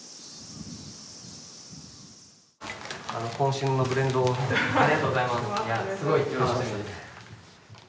渾身のブレンドをありがとうございます